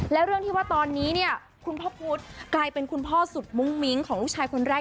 แล้วเรื่องที่ว่าตอนนี้เนี่ยคุณพ่อพุทธกลายเป็นคุณพ่อสุดมุ้งมิ้งของลูกชายคนแรก